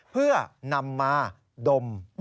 เพื่อนำมาดม